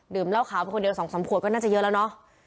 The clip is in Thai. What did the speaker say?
ดื่มเหล้าขาวเป็นคนเดียวสองสามผัวก็น่าจะเยอะแล้วเนอะ